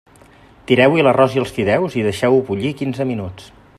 Tireu-hi l'arròs i els fideus i deixeu-ho bullir quinze minuts.